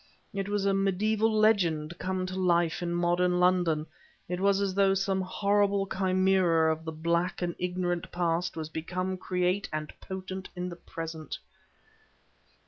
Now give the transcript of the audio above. It was a medieval legend come to life in modern London; it was as though some horrible chimera of the black and ignorant past was become create and potent in the present.